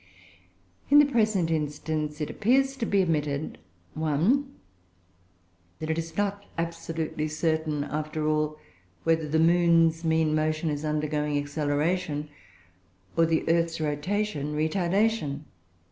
In the present instance it appears to be admitted: 1. That it is not absolutely certain, after all, whether the moon's mean motion is undergoing acceleration, or the earth's rotation retardation.